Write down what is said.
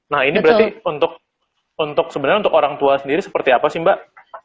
nah ini berarti untuk sebenarnya untuk orang tua sendiri seperti apa sih mbak